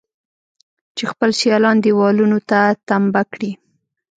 چې خپل سيالان دېوالونو ته تمبه کړي.